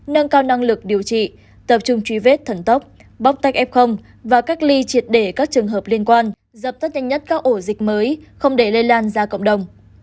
nâng cao năng lực điều trị tập trung truy vết thần tốc bóc tách f và cách ly triệt để các trường hợp liên quan dập tắt nhanh nhất các ổ dịch mới không để lây lan ra cộng đồng